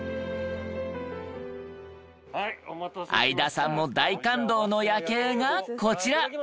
相田さんも大感動の夜景がこちら。